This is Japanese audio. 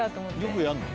よくやんの？